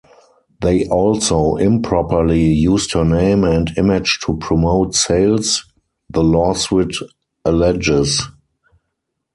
They also improperly used her name and image to promote sales, the lawsuit alleges.